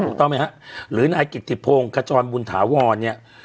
ถูกต้องไหมฮะหรือนายกิติพงศ์ขจรบุญถาวรเนี่ย